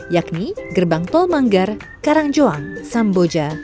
yakni gerbang tol manggar karangjoang samboja dan palarang